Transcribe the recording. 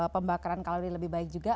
pembakaran kalori lebih baik juga